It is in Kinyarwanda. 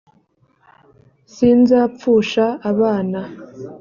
sinzapfusha abana